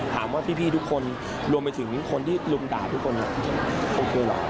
ถามว่าพี่ทุกคนรวมไปถึงคนที่ลุมด่าทุกคนโอเคหรอ